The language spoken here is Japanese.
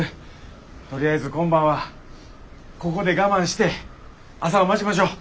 とりあえず今晩はここで我慢して朝を待ちましょう。